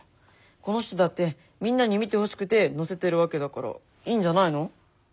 この人だってみんなに見てほしくて載せてるわけだからいいんじゃないの？